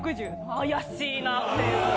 怪しいなぁっていう。